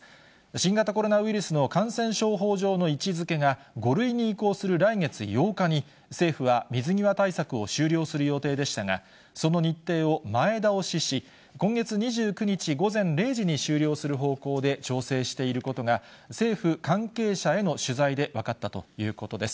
新型コロナウイルスの感染症法上の位置づけが５類に移行する来月８日に、政府は水際対策を終了する予定でしたが、その日程を前倒しし、今月２９日午前０時に終了する方向で調整していることが、政府関係者への取材で分かったということです。